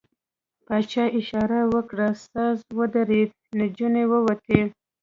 پاچا اشاره وکړه، ساز ودرېد، نجونې ووتې.